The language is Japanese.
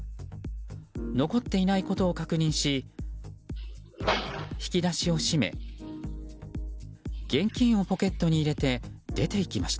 残っていないことを確認し引き出しを閉め現金をポケットに入れて出ていきました。